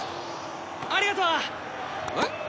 ありがとう！えっ？